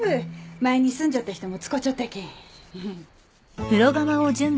前に住んじょった人も使ちょったけん。